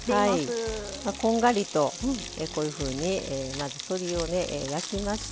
こんがりとこういうふうにまず鶏を焼きまして。